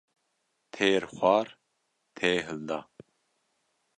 Têr xwar tê hilda